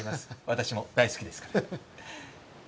私も大好きですから。